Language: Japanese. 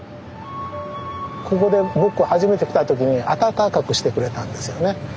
ここで僕が初めて来た時に温かくしてくれたんですよね。